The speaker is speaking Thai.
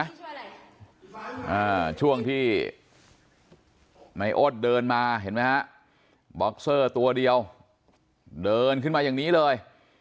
ช่วงอะไรอ่าช่วงที่ในอ้นเดินมาเห็นไหมฮะบ็อกเซอร์ตัวเดียวเดินขึ้นมาอย่างนี้เลย